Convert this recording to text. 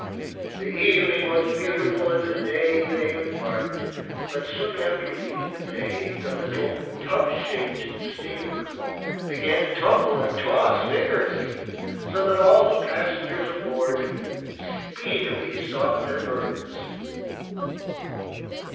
The evening was beautiful as they embarked, but soon after leaving the bay the little, tub shaped steamer began to tumble and toss vigorously, so that all the passengers aboard speedily sought their berths.